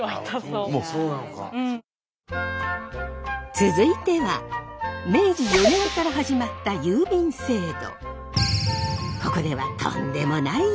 続いては明治４年から始まった郵便制度。